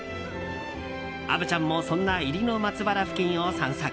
虻ちゃんもそんな入野松原付近を散策。